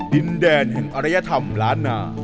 ดินแดนแห่งอริยธรรมล้านนา